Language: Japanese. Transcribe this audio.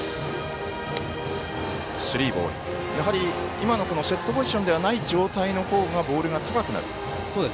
今のセットポジションじゃない状態の方がボールが高くなる。